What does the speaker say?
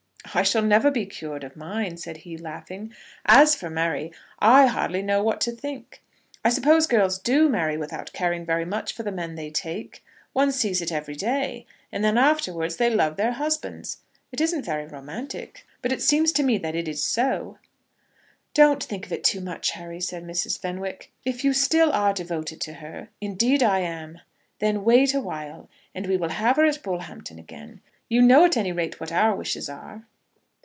"I shall never be cured of mine," said he, laughing. "As for Mary, I hardly know what to think. I suppose girls do marry without caring very much for the men they take. One sees it every day; and then afterwards, they love their husbands. It isn't very romantic, but it seems to me that it is so." "Don't think of it too much, Harry," said Mrs. Fenwick. "If you still are devoted to her " "Indeed I am." "Then wait awhile, and we will have her at Bullhampton again. You know at any rate what our wishes are."